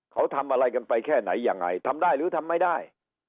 เขาทำอะไรกันไปแค่ไหนยังไงทำได้หรือทำไม่ได้